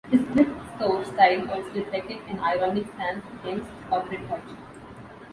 His thrift store style also reflected an ironic stance against corporate culture.